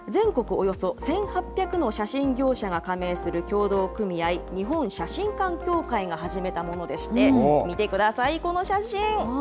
およそ１８００の写真業者が加盟する協同組合、日本写真館協会が始めたものでして、見てください、この写真。